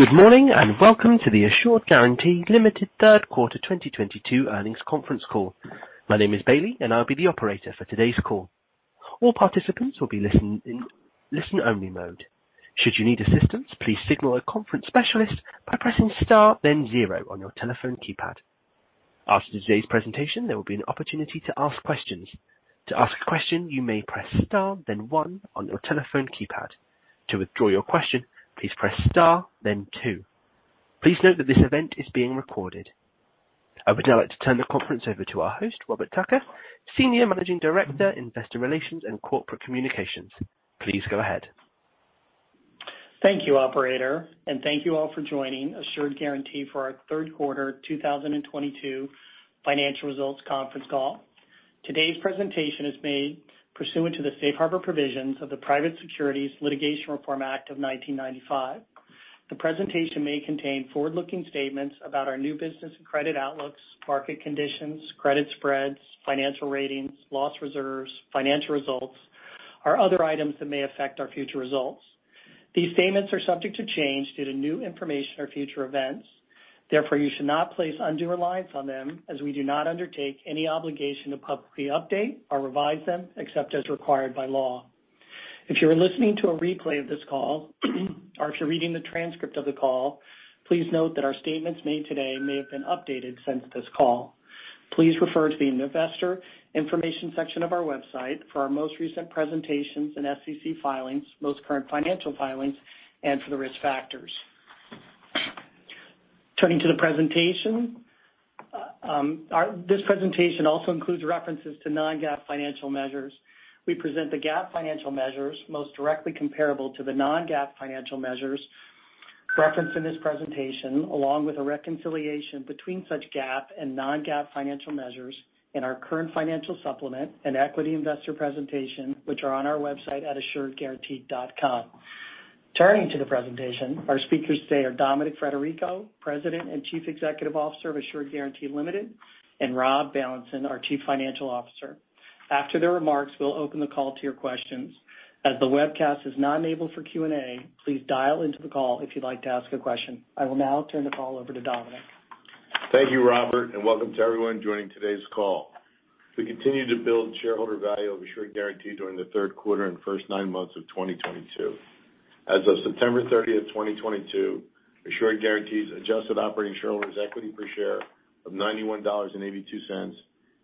Good morning, and welcome to the Assured Guaranty Ltd. third quarter 2022 earnings conference call. My name is Bailey, and I'll be the operator for today's call. All participants will be listening in listen-only mode. Should you need assistance, please signal a conference specialist by pressing Star, then zero on your telephone keypad. After today's presentation, there will be an opportunity to ask questions. To ask a question, you may press Star then one on your telephone keypad. To withdraw your question, please press Star then two. Please note that this event is being recorded. I would now like to turn the conference over to our host, Robert Tucker, Senior Managing Director, Investor Relations and Corporate Communications. Please go ahead. Thank you, operator, and thank you all for joining Assured Guaranty for our third quarter 2022 financial results conference call. Today's presentation is made pursuant to the safe harbor provisions of the Private Securities Litigation Reform Act of 1995. The presentation may contain forward-looking statements about our new business and credit outlooks, market conditions, credit spreads, financial ratings, loss reserves, financial results, or other items that may affect our future results. These statements are subject to change due to new information or future events. Therefore, you should not place undue reliance on them as we do not undertake any obligation to publicly update or revise them except as required by law. If you are listening to a replay of this call or if you're reading the transcript of the call, please note that our statements made today may have been updated since this call. Please refer to the investor information section of our website for our most recent presentations and SEC filings, most current financial filings, and for the risk factors. Turning to the presentation. This presentation also includes references to non-GAAP financial measures. We present the GAAP financial measures most directly comparable to the non-GAAP financial measures referenced in this presentation, along with a reconciliation between such GAAP and non-GAAP financial measures in our current financial supplement and equity investor presentation, which are on our website at assuredguaranty.com. Turning to the presentation, our speakers today are Dominic Frederico, President and Chief Executive Officer of Assured Guaranty Ltd., and Rob Bailenson, our Chief Financial Officer. After their remarks, we'll open the call to your questions. As the webcast is not enabled for Q&A, please dial into the call if you'd like to ask a question. I will now turn the call over to Dominic. Thank you, Robert, and welcome to everyone joining today's call. We continue to build shareholder value of Assured Guaranty during the third quarter and first nine months of 2022. As of September thirtieth, 2022, Assured Guaranty's adjusted operating shareholders' equity per share of $91.82,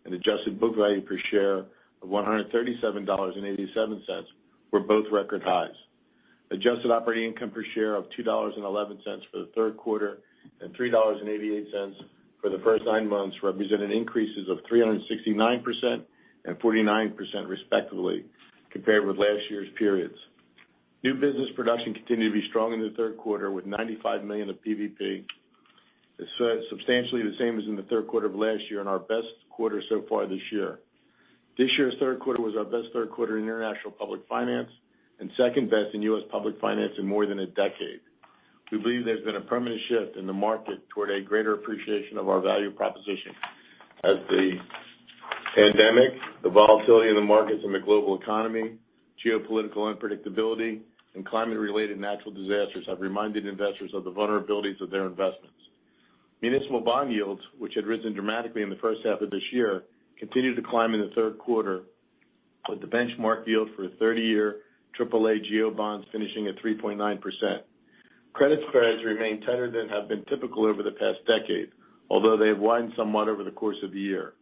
and adjusted book value per share of $137.87 were both record highs. Adjusted operating income per share of $2.11 for the third quarter and $3.88 for the first nine months represented increases of 369% and 49%, respectively, compared with last year's periods. New business production continued to be strong in the third quarter, with $95 million of PVP. It's substantially the same as in the third quarter of last year and our best quarter so far this year. This year's third quarter was our best third quarter in international public finance and second best in U.S. public finance in more than a decade. We believe there's been a permanent shift in the market toward a greater appreciation of our value proposition as the pandemic, the volatility in the markets and the global economy, geopolitical unpredictability, and climate-related natural disasters have reminded investors of the vulnerabilities of their investments. Municipal bond yields, which had risen dramatically in the first half of this year, continued to climb in the third quarter, with the benchmark yield for a 30-year AAA GO bonds finishing at 3.9%. Credit spreads remain tighter than have been typical over the past decade, although they have widened somewhat over the course of the year.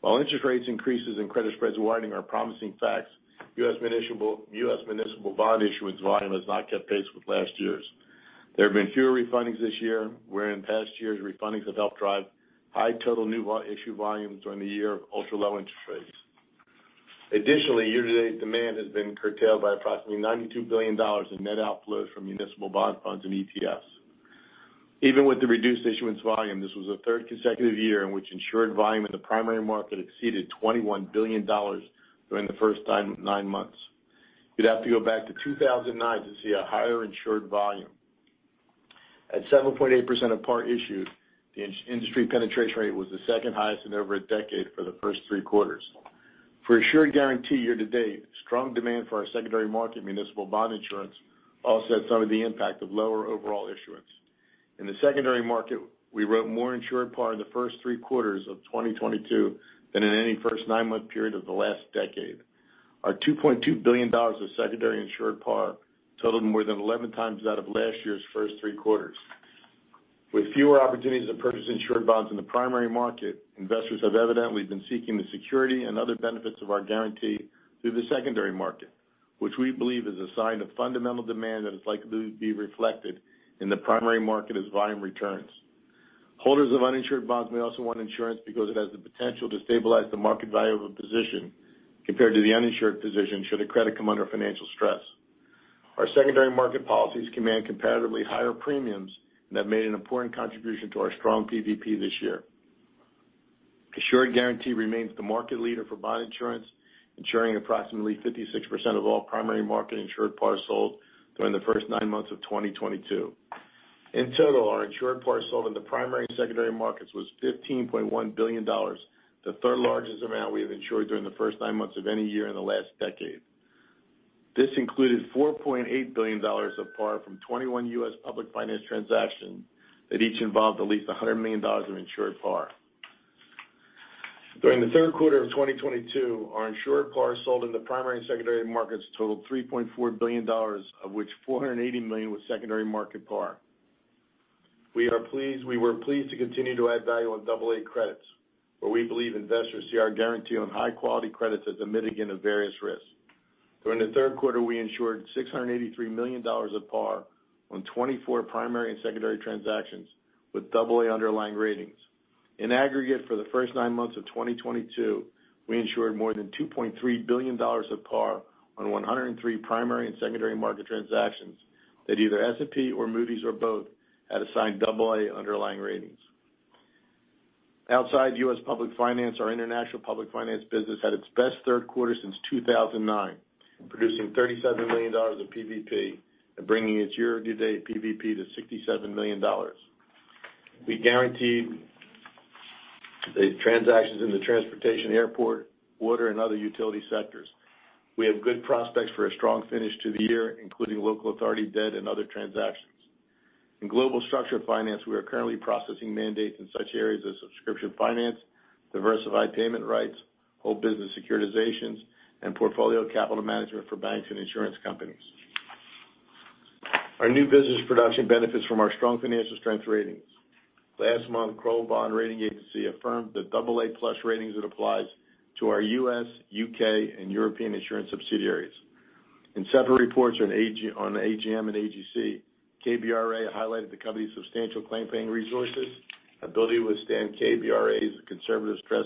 While interest rate increases and credit spreads widening are promising factors, U.S. municipal bond issuance volume has not kept pace with last year's. There have been fewer refundings this year, where in past years, refundings have helped drive high total new issue volumes during the year of ultra-low interest rates. Additionally, year-to-date demand has been curtailed by approximately $92 billion in net outflows from municipal bond funds and ETFs. Even with the reduced issuance volume, this was the third consecutive year in which insured volume in the primary market exceeded $21 billion during the first nine months. You'd have to go back to 2009 to see a higher insured volume. At 7.8% of par issued, the industry penetration rate was the second highest in over a decade for the first three quarters. For Assured Guaranty year to date, strong demand for our secondary market municipal bond insurance offset some of the impact of lower overall issuance. In the secondary market, we wrote more insured par in the first three quarters of 2022 than in any first nine-month period of the last decade. Our $2.2 billion of secondary insured par totaled more than 11 times that of last year's first three quarters. With fewer opportunities to purchase insured bonds in the primary market, investors have evidently been seeking the security and other benefits of our guarantee through the secondary market, which we believe is a sign of fundamental demand that is likely to be reflected in the primary market as volume returns. Holders of uninsured bonds may also want insurance because it has the potential to stabilize the market value of a position compared to the uninsured position should a credit come under financial stress. Our secondary market policies command competitively higher premiums, and have made an important contribution to our strong PVP this year. Assured Guaranty remains the market leader for bond insurance, ensuring approximately 56% of all primary market insured par sold during the first nine months of 2022. In total, our insured par sold in the primary and secondary markets was $15.1 billion, the third largest amount we have insured during the first nine months of any year in the last decade. This included $4.8 billion of par from 21 US public finance transactions that each involved at least $100 million of insured par. During the third quarter of 2022, our insured par sold in the primary and secondary markets totaled $3.4 billion, of which $480 million was secondary market par. We were pleased to continue to add value on double-A credits, where we believe investors see our guarantee on high quality credits as a mitigant of various risks. During the third quarter, we insured $683 million of par on 24 primary and secondary transactions with double-A underlying ratings. In aggregate, for the first nine months of 2022, we insured more than $2.3 billion of par on 103 primary and secondary market transactions that either S&P or Moody's or both had assigned double-A underlying ratings. Outside U.S. public finance, our international public finance business had its best third quarter since 2009, producing $37 million of PVP and bringing its year-to-date PVP to $67 million. We guaranteed the transactions in the transportation, airport, water, and other utility sectors. We have good prospects for a strong finish to the year, including local authority debt and other transactions. In global structured finance, we are currently processing mandates in such areas as subscription finance, diversified payment rights, whole business securitizations, and portfolio capital management for banks and insurance companies. Our new business production benefits from our strong financial strength ratings. Last month, Kroll Bond Rating Agency affirmed the AA+ ratings it applies to our U.S., U.K., and European insurance subsidiaries. In separate reports on AGO, AGM and AGC, KBRA highlighted the company's substantial claim paying resources, ability to withstand KBRA's conservative stress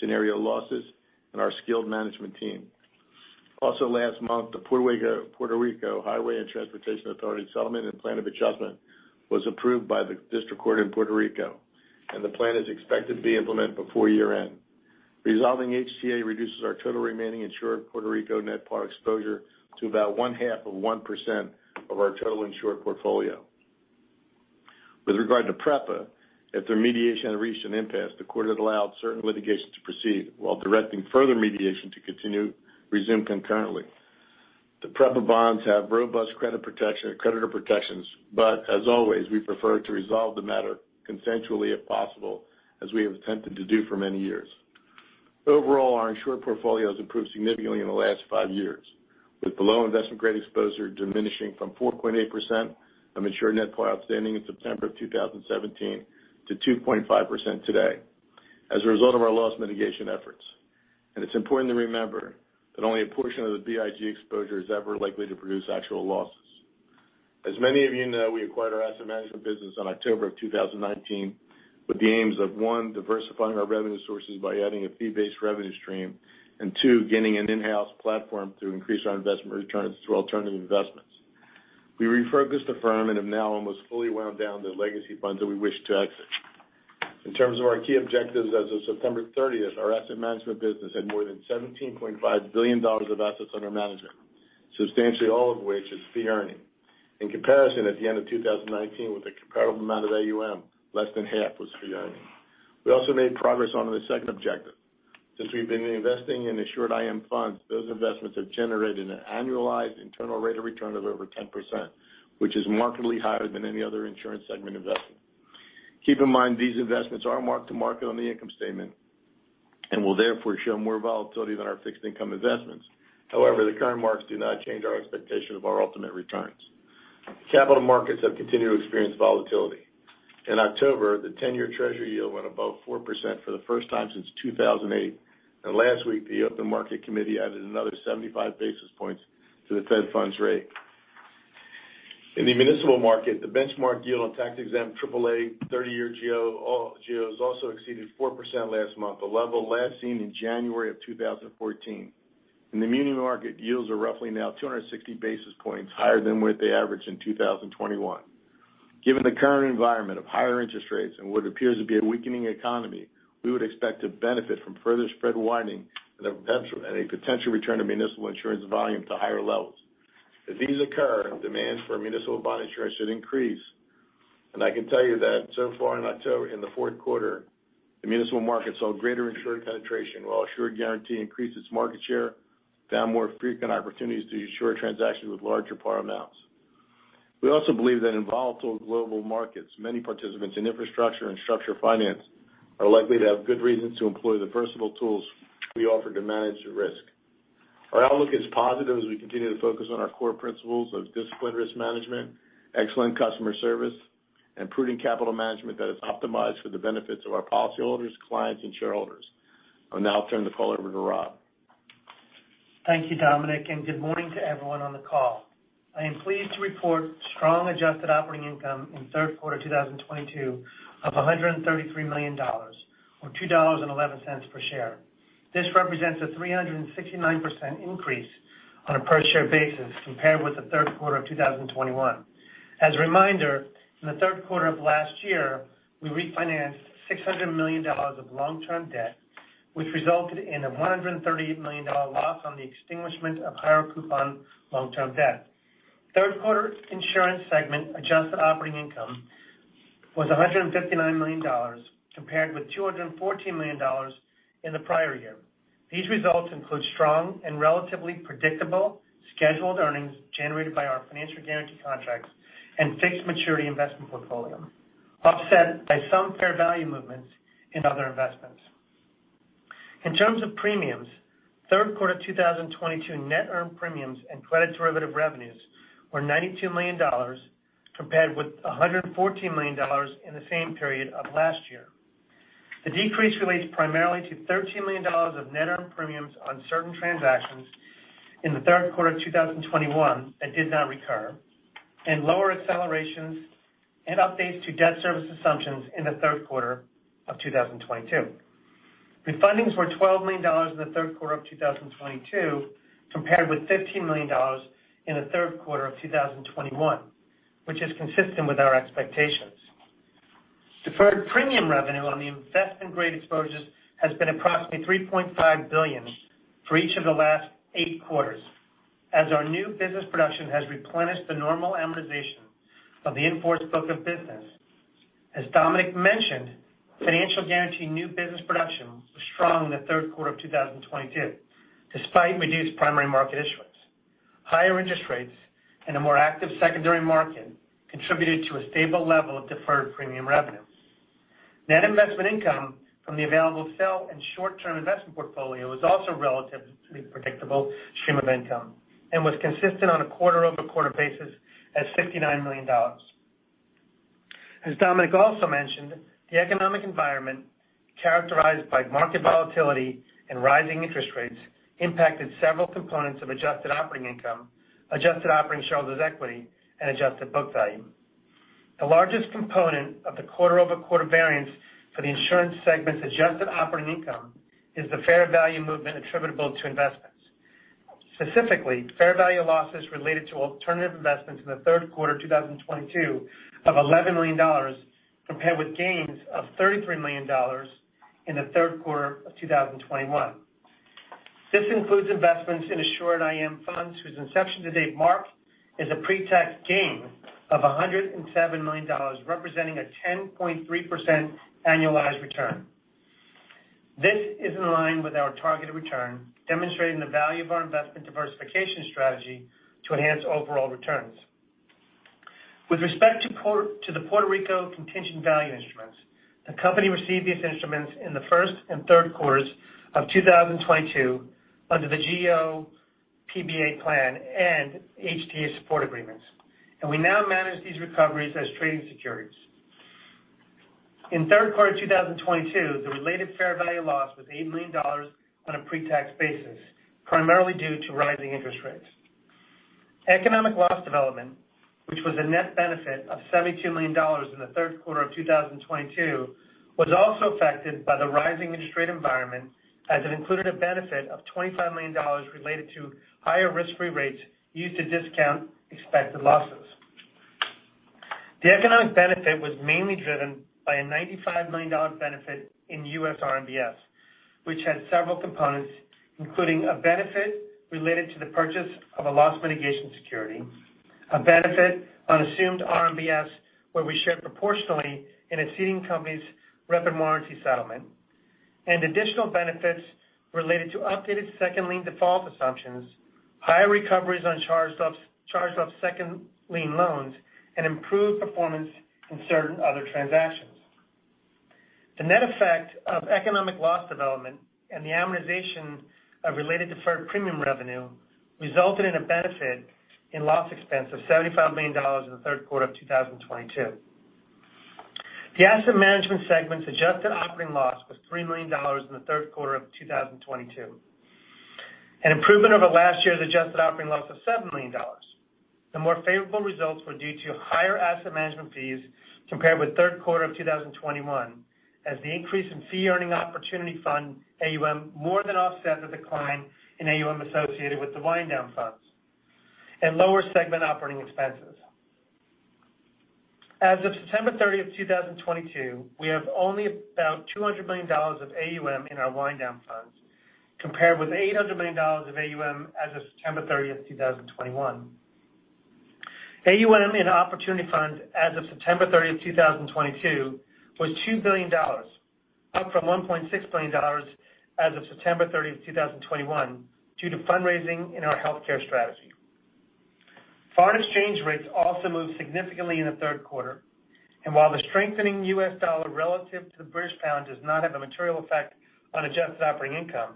scenario losses, and our skilled management team. Last month, the Puerto Rico Highways and Transportation Authority settlement and plan of adjustment was approved by the district court in Puerto Rico, and the plan is expected to be implemented before year-end. Resolving HTA reduces our total remaining insured Puerto Rico net par exposure to about 0.5% of our total insured portfolio. With regard to PREPA, after mediation had reached an impasse, the court had allowed certain litigation to proceed while directing further mediation to continue, resume concurrently. The PREPA bonds have robust credit protection, creditor protections, but as always, we prefer to resolve the matter consensually if possible, as we have attempted to do for many years. Overall, our insured portfolio has improved significantly in the last five years, with the low investment-grade exposure diminishing from 4.8% of insured net par outstanding in September 2017 to 2.5% today as a result of our loss mitigation efforts. It's important to remember that only a portion of the BIG exposure is ever likely to produce actual losses. As many of you know, we acquired our asset management business in October 2019 with the aims of, one, diversifying our revenue sources by adding a fee-based revenue stream, and two, gaining an in-house platform to increase our investment returns through alternative investments. We refocused the firm and have now almost fully wound down the legacy funds that we wished to exit. In terms of our key objectives as of September thirtieth, our asset management business had more than $17.5 billion of assets under management, substantially all of which is fee earning. In comparison, at the end of 2019, with a comparable amount of AUM, less than half was fee earning. We also made progress on the second objective. Since we've been investing in Assured IM funds, those investments have generated an annualized internal rate of return of over 10%, which is markedly higher than any other insurance segment investment. Keep in mind, these investments are marked to market on the income statement and will therefore show more volatility than our fixed income investments. However, the current marks do not change our expectation of our ultimate returns. Capital markets have continued to experience volatility. In October, the 10-year Treasury yield went above 4% for the first time since 2008. Last week, the Federal Open Market Committee added another 75 basis points to the Fed funds rate. In the municipal market, the benchmark yield on tax-exempt AAA 30-year GOs also exceeded 4% last month, a level last seen in January of 2014. In the muni market, yields are roughly now 260 basis points higher than what they averaged in 2021. Given the current environment of higher interest rates and what appears to be a weakening economy, we would expect to benefit from further spread widening and a potential return to municipal insurance volume to higher levels. If these occur, demand for municipal bond insurance should increase. I can tell you that so far in October, in the fourth quarter, the municipal market saw greater insured penetration, while Assured Guaranty increased its market share, found more frequent opportunities to insure transactions with larger par amounts. We also believe that in volatile global markets, many participants in infrastructure and structured finance are likely to have good reasons to employ the versatile tools we offer to manage the risk. Our outlook is positive as we continue to focus on our core principles of disciplined risk management, excellent customer service, and prudent capital management that is optimized for the benefits of our policyholders, clients, and shareholders. I'll now turn the call over to Rob. Thank you, Dominic, and good morning to everyone on the call. I am pleased to report strong adjusted operating income in third quarter 2022 of $133 million or $2.11 per share. This represents a 369% increase on a per share basis compared with the third quarter of 2021. As a reminder, in the third quarter of last year, we refinanced $600 million of long-term debt, which resulted in a $138 million loss on the extinguishment of higher coupon long-term debt. Third quarter insurance segment adjusted operating income was $159 million compared with $214 million in the prior year. These results include strong and relatively predictable scheduled earnings generated by our financial guarantee contracts and fixed maturity investment portfolio, offset by some fair value movements in other investments. In terms of premiums, third quarter 2022 net earned premiums and credit derivative revenues were $92 million compared with $114 million in the same period of last year. The decrease relates primarily to $13 million of net earned premiums on certain transactions in the third quarter of 2021 that did not recur, and lower accelerations and updates to debt service assumptions in the third quarter of 2022. Refundings were $12 million in the third quarter of 2022, compared with $15 million in the third quarter of 2021, which is consistent with our expectations. Deferred premium revenue on the investment-grade exposures has been approximately $3.5 billion for each of the last eight quarters, as our new business production has replenished the normal amortization of the in-force book of business. As Dominic mentioned, financial guarantee new business production was strong in the third quarter of 2022, despite reduced primary market issuance. Higher interest rates and a more active secondary market contributed to a stable level of deferred premium revenue. Net investment income from the available-for-sale and short-term investment portfolio was also a relatively predictable stream of income and was consistent on a quarter-over-quarter basis as $59 million. As Dominic also mentioned, the economic environment, characterized by market volatility and rising interest rates, impacted several components of adjusted operating income, adjusted operating shareholders' equity and adjusted book value. The largest component of the quarter-over-quarter variance for the insurance segment's adjusted operating income is the fair value movement attributable to investments, specifically fair value losses related to alternative investments in the third quarter of 2022 of $11 million, compared with gains of $33 million in the third quarter of 2021. This includes investments in Assured IM funds, whose inception to date mark is a pre-tax gain of $107 million, representing a 10.3% annualized return. This is in line with our targeted return, demonstrating the value of our investment diversification strategy to enhance overall returns. With respect to the Puerto Rico contingent value instruments, the company received these instruments in the first and third quarters of 2022 under the GO PBA Plan and HTA support agreements, and we now manage these recoveries as trading securities. In third quarter 2022, the related fair value loss was $8 million on a pre-tax basis, primarily due to rising interest rates. Economic loss development, which was a net benefit of $72 million in the third quarter of 2022, was also affected by the rising interest rate environment as it included a benefit of $25 million related to higher risk-free rates used to discount expected losses. The economic benefit was mainly driven by a $95 million dollar benefit in US RMBS, which had several components, including a benefit related to the purchase of a loss mitigation security, a benefit on assumed RMBS, where we shared proportionally in a ceding company's rep and warranty settlement, and additional benefits related to updated second lien default assumptions, higher recoveries on charged-off second lien loans, and improved performance in certain other transactions. The net effect of economic loss development and the amortization of related deferred premium revenue resulted in a benefit in loss expense of $75 million dollars in the third quarter of 2022. The asset management segment's adjusted operating loss was $3 million dollars in the third quarter of 2022, an improvement over last year's adjusted operating loss of $7 million dollars. The more favorable results were due to higher asset management fees compared with third quarter of 2021, as the increase in fee earning opportunity fund AUM more than offset the decline in AUM associated with the wind down funds and lower segment operating expenses. As of September 30, 2022, we have only about $200 million of AUM in our wind down funds, compared with $800 million of AUM as of September 30, 2021. AUM in opportunity funds as of September 30, 2022 was $2 billion, up from $1.6 billion as of September 30, 2021, due to fundraising in our healthcare strategy. Foreign exchange rates also moved significantly in the third quarter. While the strengthening US dollar relative to the British pound does not have a material effect on adjusted operating income,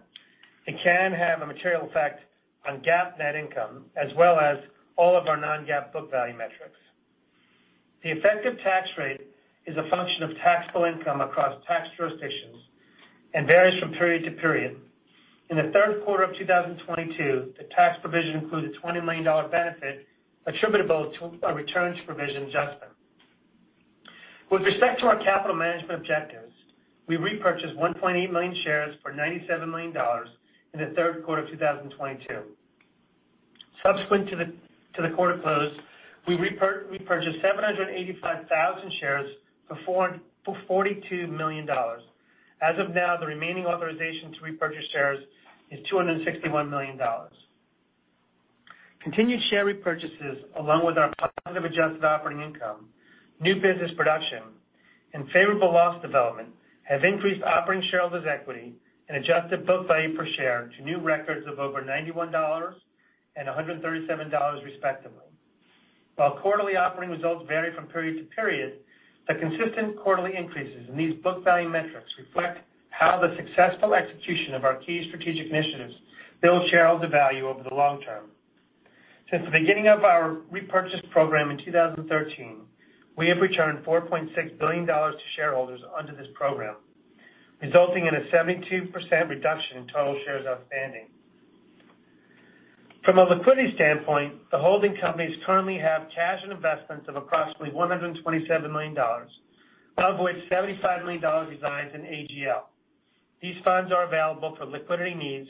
it can have a material effect on GAAP net income as well as all of our non-GAAP book value metrics. The effective tax rate is a function of taxable income across tax jurisdictions and varies from period to period. In the third quarter of 2022, the tax provision included a $20 million benefit attributable to a returns provision adjustment. With respect to our capital management objectives, we repurchased 1.8 million shares for $97 million in the third quarter of 2022. Subsequent to the quarter close, we purchased 785,000 shares for $42 million. As of now, the remaining authorization to repurchase shares is $261 million. Continued share repurchases, along with our positive adjusted operating income, new business production, and favorable loss development have increased operating shareholders' equity and adjusted book value per share to new records of over $91 and $137, respectively. While quarterly operating results vary from period to period, the consistent quarterly increases in these book value metrics reflect how the successful execution of our key strategic initiatives build shareholder value over the long term. Since the beginning of our repurchase program in 2013, we have returned $4.6 billion to shareholders under this program, resulting in a 72% reduction in total shares outstanding. From a liquidity standpoint, the holding companies currently have cash and investments of approximately $127 million, of which $75 million resides in AGL. These funds are available for liquidity needs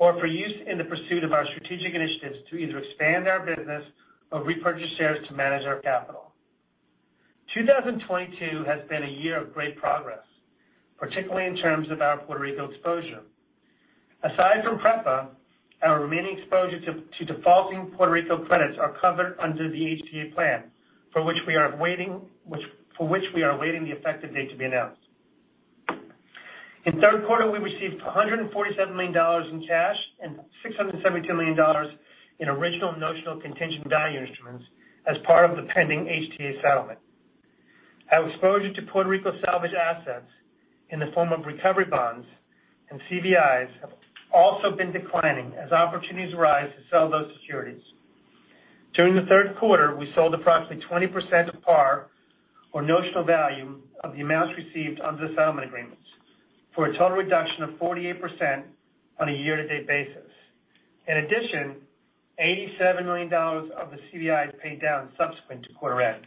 or for use in the pursuit of our strategic initiatives to either expand our business or repurchase shares to manage our capital. 2022 has been a year of great progress, particularly in terms of our Puerto Rico exposure. Aside from PREPA, our remaining exposure to defaulting Puerto Rico credits are covered under the HTA plan, for which we are awaiting the effective date to be announced. In third quarter, we received $147 million in cash and $672 million in original notional contingent value instruments as part of the pending HTA settlement. Our exposure to Puerto Rico salvage assets in the form of recovery bonds and CVIs has also been declining as opportunities arise to sell those securities. During the third quarter, we sold approximately 20% of par or notional value of the amounts received under the settlement agreements, for a total reduction of 48% on a year-to-date basis. In addition, $87 million of the CVI is paid down subsequent to quarter end.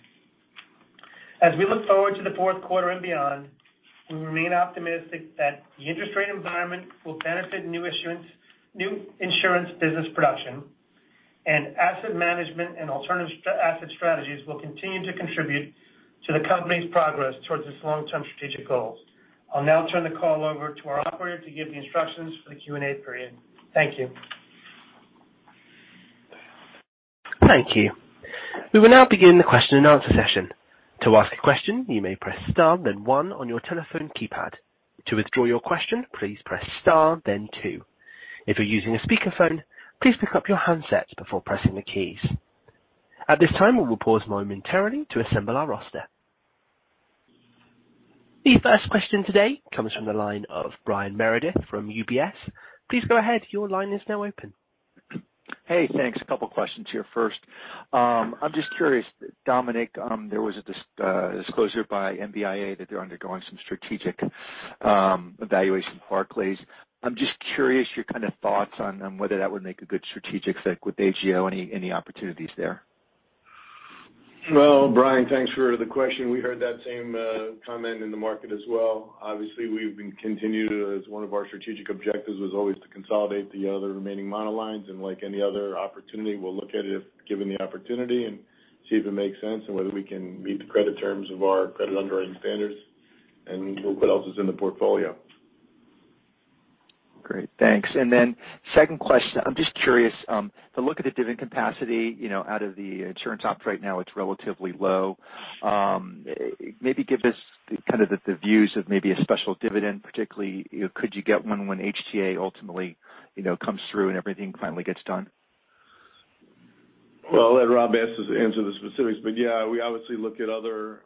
As we look forward to the fourth quarter and beyond, we remain optimistic that the interest rate environment will benefit new issuance, new insurance business production, and asset management and alternative asset strategies will continue to contribute to the company's progress towards its long-term strategic goals. I'll now turn the call over to our operator to give the instructions for the Q&A period. Thank you. Thank you. We will now begin the question and answer session. To ask a question, you may press star then one on your telephone keypad. To withdraw your question, please press star then two. If you're using a speakerphone, please pick up your handsets before pressing the keys. At this time, we will pause momentarily to assemble our roster. The first question today comes from the line of Brian Meredith from UBS. Please go ahead. Your line is now open. Hey, thanks. A couple questions here. First, I'm just curious, Dominic, there was a disclosure by MBIA that they're undergoing some strategic evaluation with Barclays. I'm just curious your kind of thoughts on whether that would make a good strategic fit with AGO, any opportunities there. Well, Brian, thanks for the question. We heard that same comment in the market as well. Obviously, we've continued, as one of our strategic objectives has always been to consolidate the other remaining monolines. Like any other opportunity, we'll look at it if given the opportunity and see if it makes sense and whether we can meet the credit terms of our credit underwriting standards and look what else is in the portfolio. Great. Thanks. Second question, I'm just curious to look at the dividend capacity, you know, out of the insurance op right now, it's relatively low. Maybe give us kind of the views of maybe a special dividend, particularly, you know, could you get one when HTA ultimately, you know, comes through and everything finally gets done? Well, I'll let Rob answer the specifics. Yeah, we obviously look at other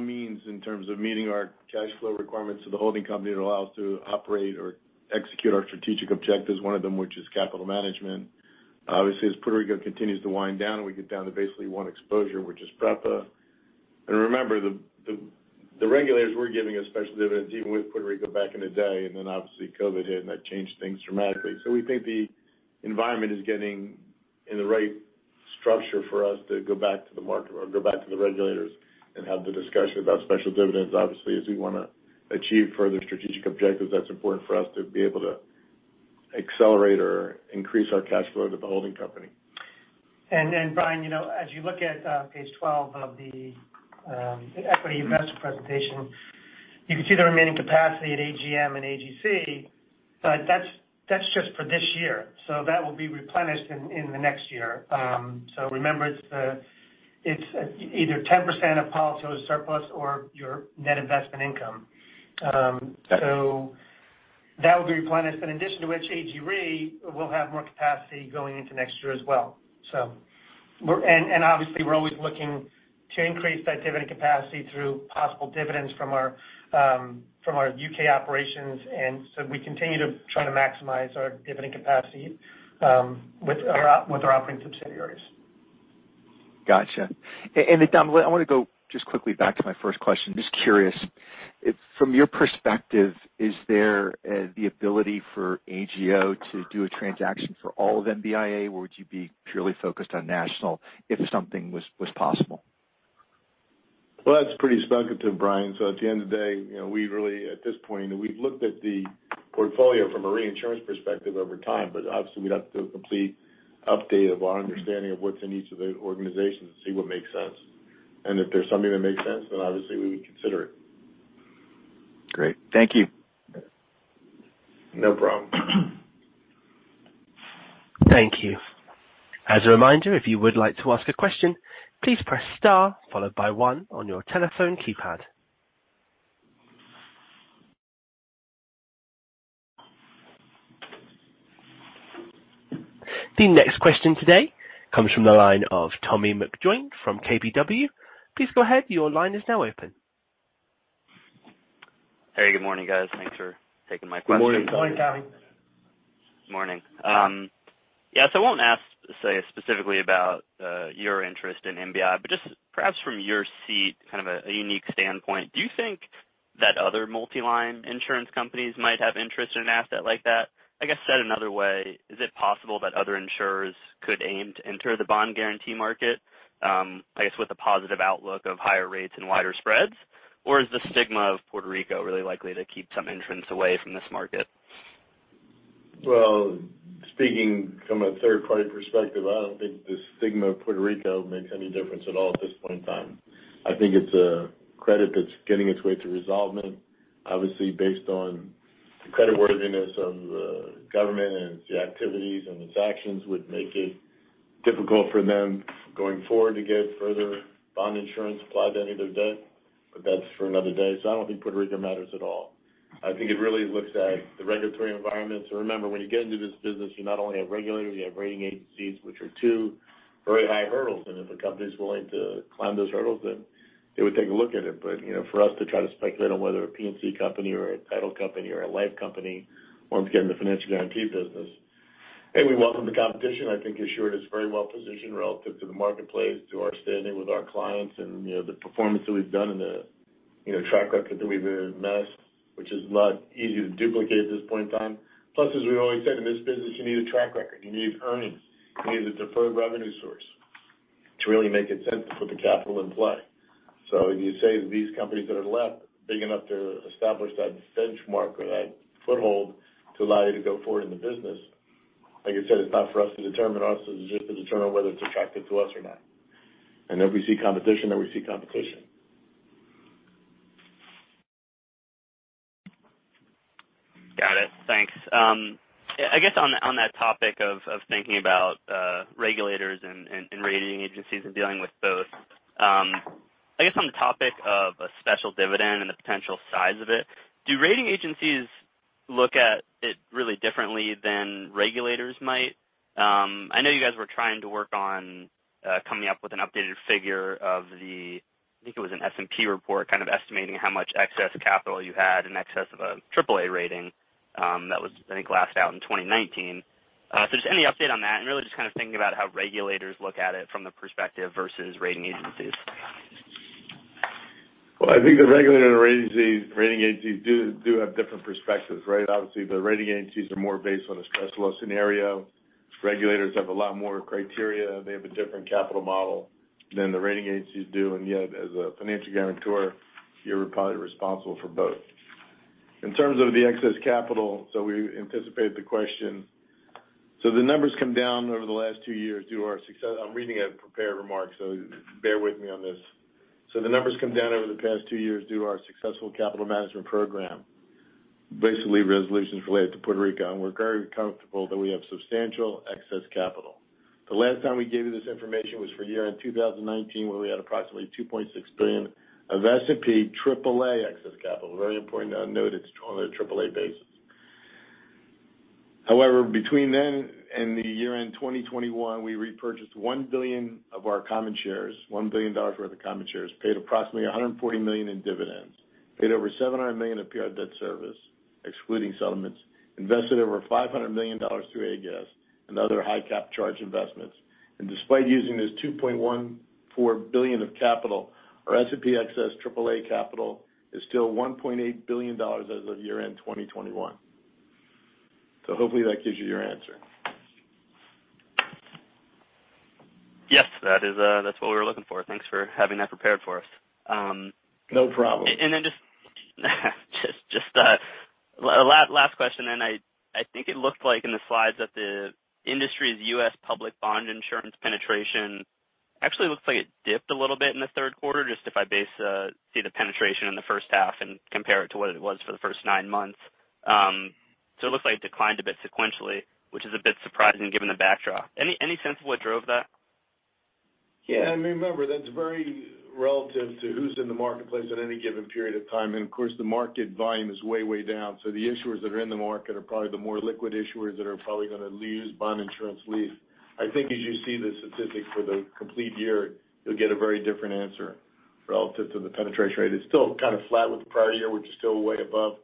means in terms of meeting our cash flow requirements to the holding company to allow us to operate or execute our strategic objectives, one of them, which is capital management. Obviously, as Puerto Rico continues to wind down, we get down to basically one exposure, which is PREPA. Remember, the regulators were giving us special dividends dealing with Puerto Rico back in the day, and then obviously COVID hit, and that changed things dramatically. We think the environment is getting in the right structure for us to go back to the market or go back to the regulators and have the discussion about special dividends. Obviously, as we want to achieve further strategic objectives, that's important for us to be able to accelerate or increase our cash flow to the holding company. Brian, you know, as you look at page 12 of the equity investor presentation, you can see the remaining capacity at AGM and AGC, but that's just for this year. That will be replenished in the next year. Remember it's either 10% of policyholder surplus or your net investment income. That will be replenished, in addition to which AGRE will have more capacity going into next year as well. Obviously we're always looking to increase that dividend capacity through possible dividends from our UK operations, and so we continue to try to maximize our dividend capacity with our operating subsidiaries. Gotcha. Dom, I wanna go just quickly back to my first question. Just curious, from your perspective, is there the ability for AGO to do a transaction for all of MBIA, or would you be purely focused on National if something was possible? Well, that's pretty speculative, Brian. At the end of the day, you know, we really, at this point, we've looked at the portfolio from a reinsurance perspective over time, but obviously we'd have to do a complete update of our understanding of what's in each of the organizations to see what makes sense. If there's something that makes sense, then obviously we would consider it. Great. Thank you. No problem. Thank you. As a reminder, if you would like to ask a question, please press star followed by one on your telephone keypad. The next question today comes from the line of Thomas McJoynt-Griffith from KBW. Please go ahead. Your line is now open. Hey, good morning, guys. Thanks for taking my question. Good morning, Tommy. Morning, Tommy. Morning. I won't ask, say, specifically about your interest in MBI, but just perhaps from your seat, kind of a unique standpoint, do you think that other multi-line insurance companies might have interest in an asset like that? I guess said another way, is it possible that other insurers could aim to enter the bond guarantee market, I guess with a positive outlook of higher rates and wider spreads? Is the stigma of Puerto Rico really likely to keep some entrants away from this market? Well, speaking from a third-party perspective, I don't think the stigma of Puerto Rico makes any difference at all at this point in time. I think it's a credit that's getting its way through resolution, obviously based on the creditworthiness of the government and the activities and its actions would make it difficult for them going forward to get further bond insurance applied to any of their debt. That's for another day. I don't think Puerto Rico matters at all. I think it really looks at the regulatory environment. Remember, when you get into this business, you not only have regulators, you have rating agencies, which are two very high hurdles. If a company is willing to climb those hurdles, then they would take a look at it. You know, for us to try to speculate on whether a P&C company or a title company or a life company wants to get in the financial guarantee business. Hey, we welcome the competition. I think Assured is very well positioned relative to the marketplace, to our standing with our clients and, you know, the performance that we've done and the, you know, track record that we've amassed, which is not easy to duplicate at this point in time. Plus, as we've always said, in this business, you need a track record, you need earnings, you need a deferred revenue source to really make it sensible to put the capital in play. You say these companies that are left big enough to establish that benchmark or that foothold to allow you to go forward in the business. Like I said, it's not for us to determine. Us, it's just to determine whether it's attractive to us or not. If we see competition, then we see competition. Got it. Thanks. I guess on that topic of thinking about regulators and rating agencies and dealing with both, I guess on the topic of a special dividend and the potential size of it, do rating agencies look at it really differently than regulators might? I know you guys were trying to work on coming up with an updated figure of the, I think it was an S&P report, kind of estimating how much excess capital you had in excess of a triple A rating, that was I think last out in 2019. Just any update on that and really just kind of thinking about how regulators look at it from the perspective versus rating agencies. Well, I think the regulator and rating agencies do have different perspectives, right? Obviously, the rating agencies are more based on a stress loss scenario. Regulators have a lot more criteria. They have a different capital model than the rating agencies do. Yet, as a financial guarantor, you're probably responsible for both. In terms of the excess capital, we anticipated the question. The numbers come down over the last two years due to our success. I'm reading a prepared remark, so bear with me on this. The numbers come down over the past two years due to our successful capital management program. Basically, resolutions related to Puerto Rico. We're very comfortable that we have substantial excess capital. The last time we gave you this information was for year-end 2019, where we had approximately $2.6 billion of S&P AAA excess capital. Very important to note it's on a AAA basis. However, between then and the year-end 2021, we repurchased $1 billion of our common shares, $1 billion worth of common shares, paid approximately $140 million in dividends, paid over $700 million of PR debt service, excluding settlements, invested over $500 million through AGAS and other high-cap charge investments. Despite using this $2.14 billion of capital, our S&P excess AAA capital is still $1.8 billion as of year-end 2021. Hopefully that gives you your answer. Yes. That is, that's what we were looking for. Thanks for having that prepared for us. No problem. Just last question. I think it looked like in the slides that the industry's U.S. public bond insurance penetration actually looks like it dipped a little bit in the third quarter, just if I basically see the penetration in the first half and compare it to what it was for the first nine months. It looks like it declined a bit sequentially, which is a bit surprising given the backdrop. Any sense of what drove that? Yeah. I mean, remember, that's very relative to who's in the marketplace at any given period of time. Of course, the market volume is way down. The issuers that are in the market are probably the more liquid issuers that are probably gonna use bond insurance less. I think as you see the statistics for the complete year, you'll get a very different answer relative to the penetration rate. It's still kind of flat with the prior year, which is still way above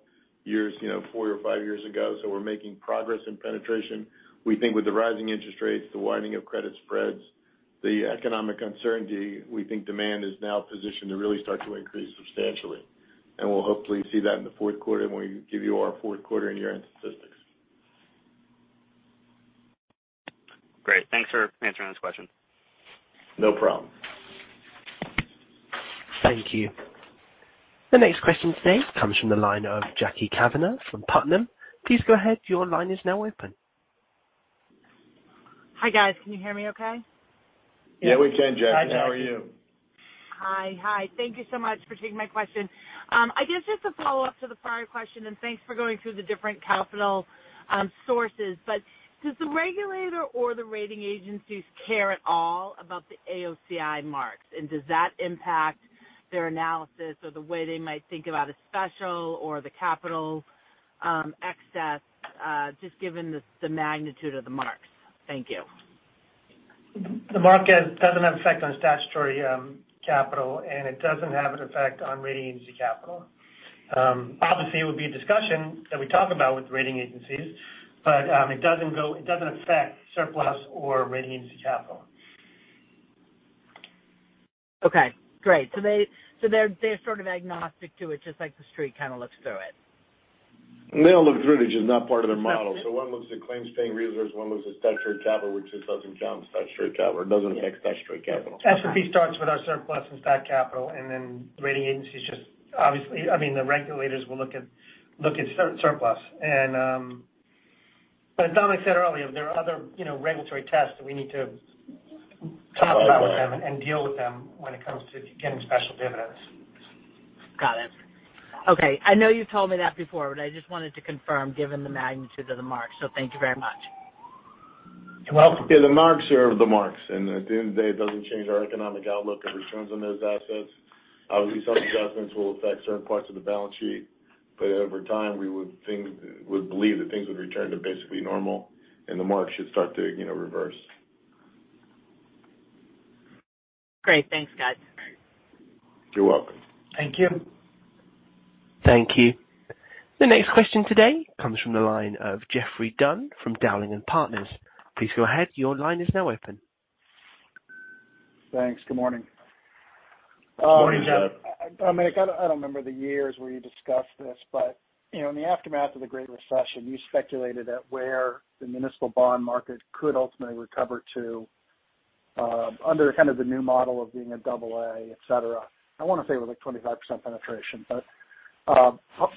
years, you know, four or five years ago. We're making progress in penetration. We think with the rising interest rates, the widening of credit spreads, the economic uncertainty, we think demand is now positioned to really start to increase substantially. We'll hopefully see that in the fourth quarter when we give you our fourth quarter and year-end statistics. Great. Thanks for answering this question. No problem. Thank you. The next question today comes from the line of Jackie Cavanaugh from Putnam. Please go ahead. Your line is now open. Hi, guys. Can you hear me okay? Yeah, we can, Jackie. Hi, how are you? Hi. Hi. Thank you so much for taking my question. I guess just a follow-up to the prior question, and thanks for going through the different capital sources. Does the regulator or the rating agencies care at all about the AOCI marks? Does that impact their analysis or the way they might think about a special or the capital excess, just given the magnitude of the marks? Thank you. The mark doesn't have effect on statutory capital, and it doesn't have an effect on rating agency capital. Obviously, it would be a discussion that we talk about with rating agencies, but it doesn't affect surplus or rating agency capital. Okay, great. They're sort of agnostic to it, just like the street kind of looks through it. They all look through it. It's just not part of their model. One looks at claims-paying reserves, one looks at statutory capital, which this doesn't jump statutory capital. It doesn't affect statutory capital. S&P starts with our surplus and statutory capital, and then the rating agencies just obviously. I mean, the regulators will look at surplus. As Dominic said earlier, there are other, you know, regulatory tests that we need to comply with them and deal with them when it comes to getting special dividends. Got it. Okay. I know you've told me that before, but I just wanted to confirm given the magnitude of the marks. Thank you very much. Well, the marks are the marks, and at the end of the day, it doesn't change our economic outlook and returns on those assets. Obviously, some adjustments will affect certain parts of the balance sheet, but over time, we would believe that things would return to basically normal and the marks should start to, you know, reverse. Great. Thanks, guys. You're welcome. Thank you. Thank you. The next question today comes from the line of Geoffrey Dunn from Dowling & Partners. Please go ahead. Your line is now open. Thanks. Good morning. Good morning, Jeff. I mean, I don't remember the years where you discussed this, but you know, in the aftermath of the Great Recession, you speculated at where the municipal bond market could ultimately recover to, under kind of the new model of being a double A, etc. I want to say it was like 25% penetration.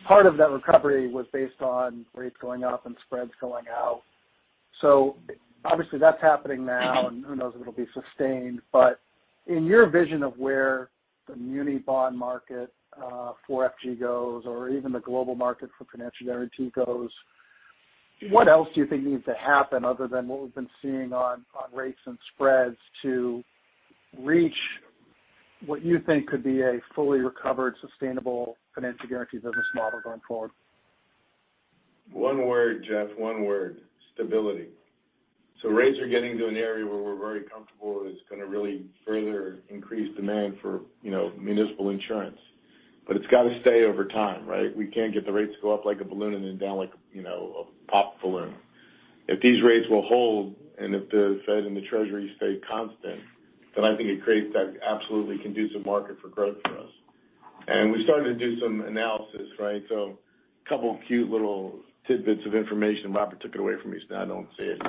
Part of that recovery was based on rates going up and spreads going out. Obviously, that's happening now, and who knows if it'll be sustained. In your vision of where the muni bond market for FG goes or even the global market for financial guarantee goes, what else do you think needs to happen other than what we've been seeing on rates and spreads to reach what you think could be a fully recovered, sustainable financial guarantee business model going forward? One word, Jeffrey, one word, stability. Rates are getting to an area where we're very comfortable is gonna really further increase demand for, you know, municipal insurance. It's got to stay over time, right? We can't get the rates to go up like a balloon and then down like, you know, a popped balloon. If these rates will hold, and if the Fed and the Treasury stay constant, then I think it creates that absolutely conducive market for growth for us. We started to do some analysis, right? A couple of cute little tidbits of information. Robert took it away from me, so now I don't see it.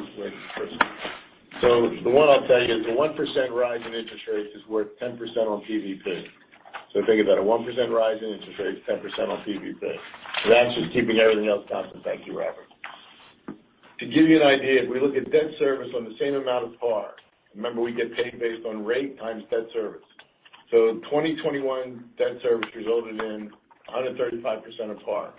The one I'll tell you is a 1% rise in interest rates is worth 10% on PVP. Think about a 1% rise in interest rates, 10% on PVP. That's just keeping everything else constant. Thank you, Robert. To give you an idea, if we look at debt service on the same amount of par, remember, we get paid based on rate times debt service. 2021 debt service resulted in 135% of par.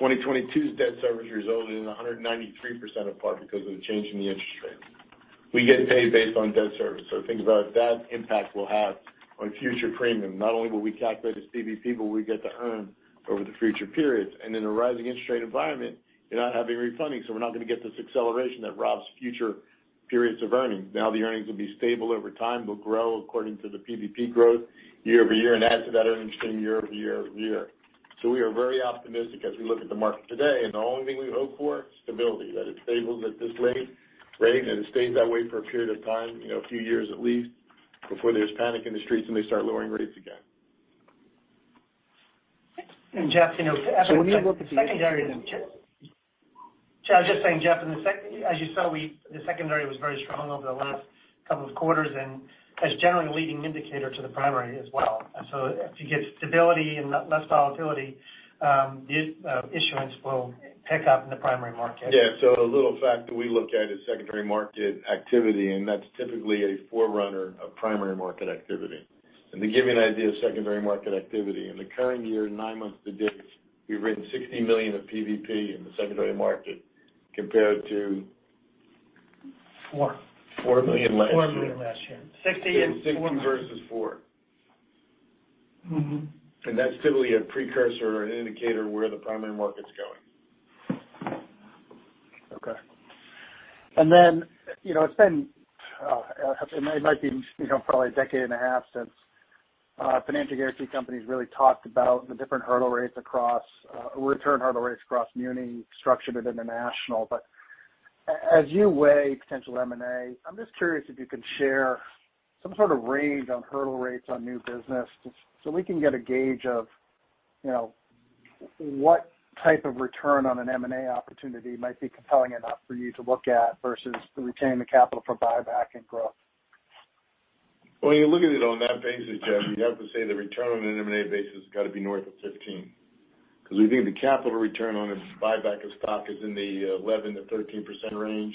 2022's debt service resulted in 193% of par because of the change in the interest rates. We get paid based on debt service. Think about that impact we'll have on future premium. Not only will we calculate as PVP, but we get to earn over the future periods. In a rising interest rate environment, you're not having refunding, so we're not going to get this acceleration that robs future periods of earnings. Now, the earnings will be stable over time, but grow according to the PVP growth year over year and add to that earnings stream year over year over year. We are very optimistic as we look at the market today. The only thing we hope for, stability. That it stabilizes at this low rate, and it stays that way for a period of time, you know, a few years at least, before there's panic in the streets and they start lowering rates again. Jeff, you know. When you look at the. Secondary- Yeah. I was just saying, Jeff, in the secondary as you saw, we, the secondary was very strong over the last couple of quarters, and that's generally a leading indicator to the primary as well. If you get stability and less volatility, the issuance will pick up in the primary market. Yeah. A little fact that we look at is secondary market activity, and that's typically a forerunner of primary market activity. To give you an idea of secondary market activity, in the current year, nine months to date, we've written $60 million of PVP in the secondary market compared to. Four. $4 million last year. $4 million last year. $64 million. 60 versus 4. Mm-hmm. That's typically a precursor or an indicator of where the primary market's going. Okay. You know, it's been it might be, you know, probably a decade and a half since financial guarantee companies really talked about the different hurdle rates across return hurdle rates across muni structured and international. As you weigh potential M&A, I'm just curious if you can share some sort of range on hurdle rates on new business just so we can get a gauge of, you know, what type of return on an M&A opportunity might be compelling enough for you to look at versus retaining the capital for buyback and growth. Well, you look at it on that basis, Jeff, you have to say the return on an M&A basis has got to be north of 15%. Because we think the capital return on this buyback of stock is in the 11%-13% range.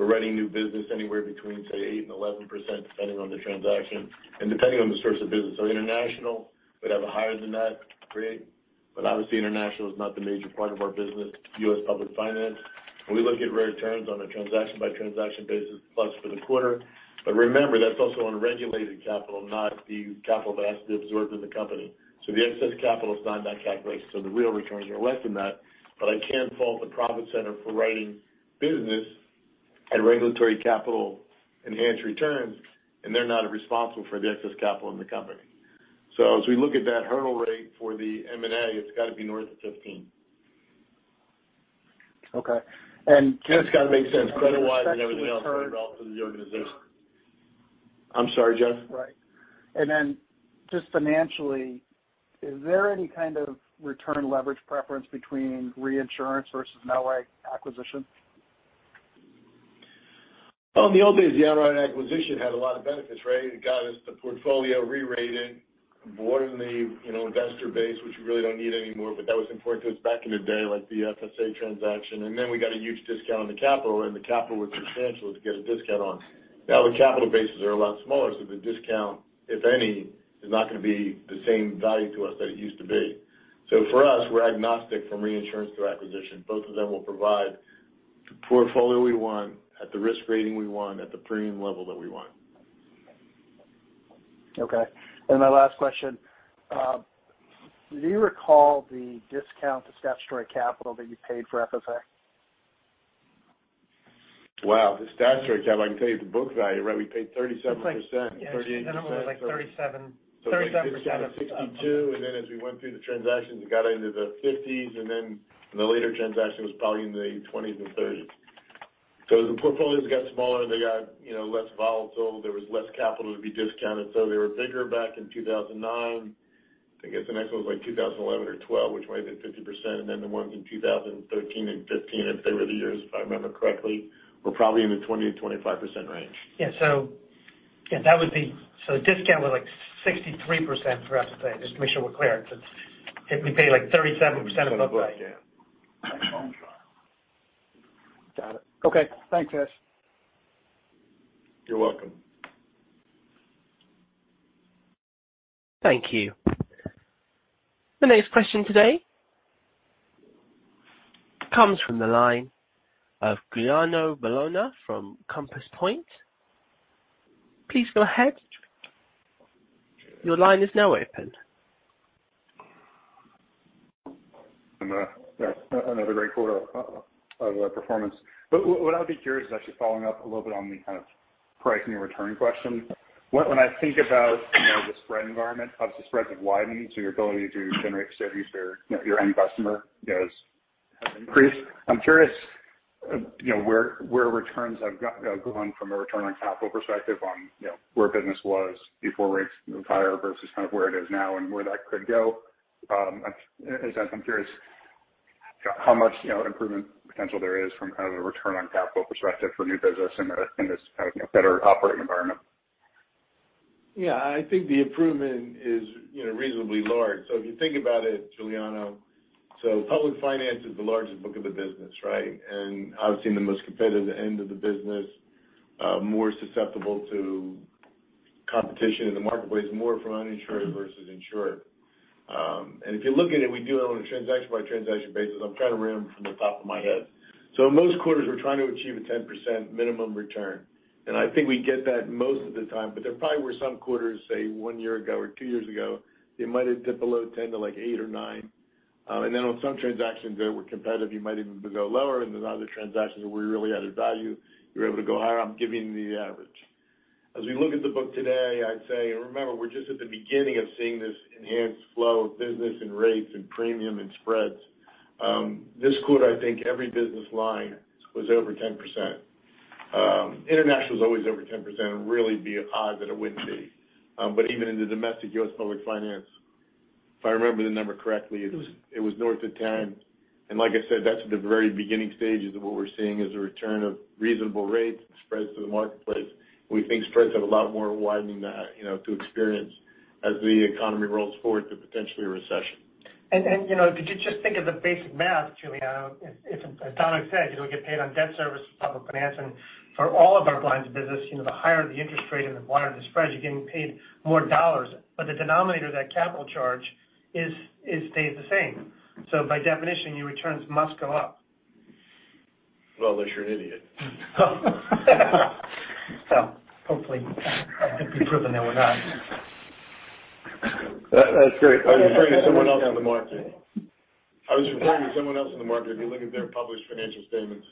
We're writing new business anywhere between, say, 8%-11%, depending on the transaction and depending on the source of business. International would have a higher than that rate. Obviously, international is not the major part of our business. U.S. public finance, when we look at returns on a transaction-by-transaction basis plus for the quarter. Remember, that's also on regulated capital, not the capital that has to be absorbed in the company. The excess capital is not in that calculation, the real returns are less than that. I can fault the profit center for writing business at regulatory capital enhanced returns, and they're not responsible for the excess capital in the company. As we look at that hurdle rate for the M&A, it's got to be north of 15%. Okay. It's got to make sense credit-wise and everything else for the development of the organization. I'm sorry, Jeff. Right. Just financially, is there any kind of return leverage preference between reinsurance versus an outright acquisition? In the old days, the outright acquisition had a lot of benefits, right? It got us the portfolio re-rated, broaden the, you know, investor base, which we really don't need anymore, but that was important to us back in the day, like the FSA transaction. Then we got a huge discount on the capital, and the capital was substantial to get a discount on. Now, the capital bases are a lot smaller, so the discount, if any, is not going to be the same value to us that it used to be. For us, we're agnostic from reinsurance to acquisition. Both of them will provide the portfolio we want at the risk rating we want at the premium level that we want. Okay. My last question, do you recall the discount to statutory capital that you paid for FSA? Wow. The statutory cap, I can tell you it's a book value, right? We paid 37%, 38%. Yeah. The denominator was, like, 37%. It was down to 62, and then as we went through the transactions, it got into the 50s, and then the later transaction was probably in the 20s and 30s. As the portfolios got smaller, they got, you know, less volatile. There was less capital to be discounted, so they were bigger back in 2009. I think it's the next one was, like, 2011 or 2012, which might have been 50%. Then the ones in 2013 and 2015, if they were the years, if I remember correctly, were probably in the 20%-25% range. Yeah. Yeah, the discount was, like, 63% for us today, just to make sure we're clear because if we pay, like, 37% of book value. Of the book, yeah. Got it. Okay. Thanks, guys. You're welcome. Thank you. The next question today comes from the line of Giuliano Bologna from Compass Point. Please go ahead. Your line is now open. Yeah, another great quarter of performance. What I'd be curious is actually following up a little bit on the kind of pricing and return question. When I think about, you know, the spread environment, obviously, spreads have widened, so your ability to generate synergies for, you know, your end customer, you know, has increased. I'm curious, you know, where returns have gone from a return on capital perspective on, you know, where business was before rates moved higher versus kind of where it is now and where that could go. I'm curious how much, you know, improvement potential there is from kind of a return on capital perspective for new business in this kind of, you know, better operating environment. Yeah. I think the improvement is, you know, reasonably large. If you think about it, Giuliano, public finance is the largest book of the business, right? Obviously the most competitive end of the business, more susceptible to competition in the marketplace, more from uninsured versus insured. And if you look at it, we do it on a transaction-by-transaction basis. I'm trying to remember from the top of my head. In most quarters, we're trying to achieve a 10% minimum return. I think we get that most of the time, but there probably were some quarters, say one year ago or two years ago, it might have dipped below 10% to, like, 8% or 9%. Then on some transactions that were competitive, you might even go lower, and then other transactions where we really added value, you're able to go higher. I'm giving the average. As we look at the book today, I'd say, remember, we're just at the beginning of seeing this enhanced flow of business and rates and premium and spreads. This quarter, I think every business line was over 10%. International is always over 10%. It'd really be odd that it wouldn't be. But even in the domestic U.S. public finance, if I remember the number correctly, it was north of 10. Like I said, that's the very beginning stages of what we're seeing is a return of reasonable rates and spreads to the marketplace. We think spreads have a lot more widening that, you know, to experience as the economy rolls forward to potentially a recession. You know, if you just think of the basic math, Giuliano, if as Tom has said, you know, we get paid on debt service public finance. For all of our lines of business, you know, the higher the interest rate and the wider the spreads, you're getting paid more dollars. The denominator, that capital charge stays the same. By definition, your returns must go up. Well, unless you're an idiot. Hopefully I can be proven that we're not. That's great. I was referring to someone else in the market, if you look at their published financial statements.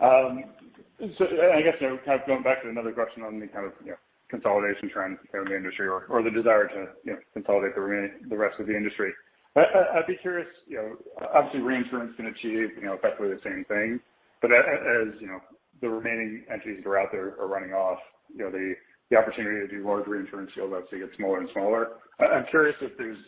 I guess, you know, kind of going back to another question on the kind of, you know, consolidation trends in the industry or the desire to, you know, consolidate the rest of the industry. I'd be curious, you know, obviously, reinsurance can achieve, you know, effectively the same thing. But as, you know, the remaining entities that are out there are running off, you know, the opportunity to do large reinsurance deals obviously gets smaller and smaller. I'm curious if there's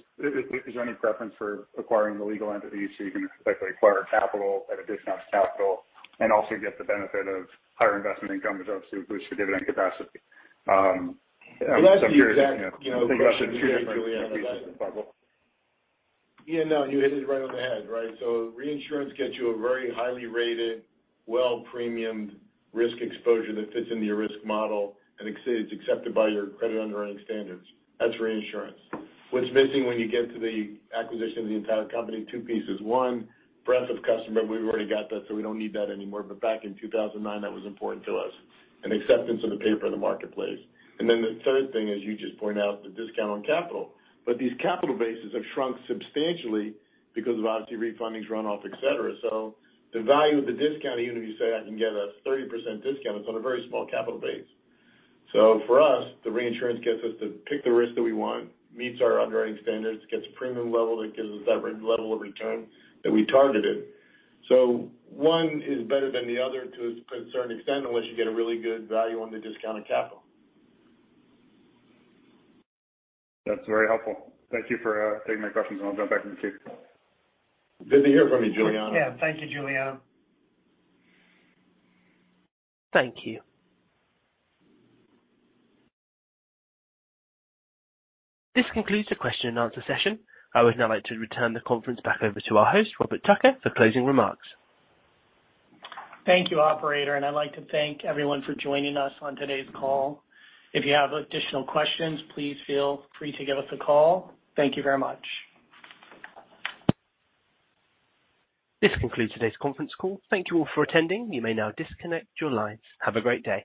any preference for acquiring the legal entities so you can effectively acquire capital at a discounted capital and also get the benefit of higher investment income, which obviously boosts the dividend capacity. I'm curious, you know. Well, that's the exact, you know, question you raised, Giuliano. If you have some thoughts. Yeah, no, you hit it right on the head, right? Reinsurance gets you a very highly rated, well-premiumed risk exposure that fits into your risk model and accepted by your credit underwriting standards. That's reinsurance. What's missing when you get to the acquisition of the entire company, two pieces. One, breadth of customer, we've already got that, so we don't need that anymore. Back in 2009, that was important to us, and acceptance of the paper in the marketplace. The third thing, as you just pointed out, the discount on capital. These capital bases have shrunk substantially because of obviously refundings, runoff, et cetera. The value of the discount, even if you say I can get a 30% discount, it's on a very small capital base. For us, the reinsurance gets us to pick the risk that we want, meets our underwriting standards, gets a premium level that gives us that level of return that we targeted. One is better than the other to a certain extent, unless you get a really good value on the discounted capital. That's very helpful. Thank you for taking my questions, and I'll jump back in the queue. Good to hear from you, Giuliano. Yeah. Thank you, Giuliano. Thank you. This concludes the question and answer session. I would now like to return the conference back over to our host, Robert Tucker, for closing remarks. Thank you, operator, and I'd like to thank everyone for joining us on today's call. If you have additional questions, please feel free to give us a call. Thank you very much. This concludes today's conference call. Thank you all for attending. You may now disconnect your lines. Have a great day.